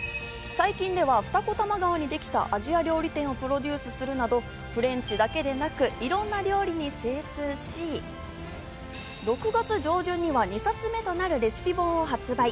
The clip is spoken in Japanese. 最近では二子玉川にできたアジア料理店をプロデュースするなど、フレンチだけでなく、いろんな料理に精通し、６月上旬には２冊目となるレシピ本を発売。